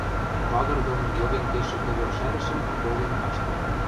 пагыр доно йоген кешӹ кӹвер шӓрӹшӹм поген каштыт.